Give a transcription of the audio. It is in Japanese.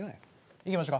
行きましょか。